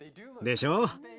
でしょう。